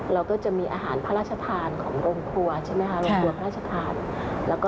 เราก็จะมีอาหารพระราชทานของโรงครัว